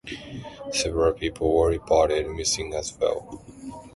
Several people were reported missing, as well.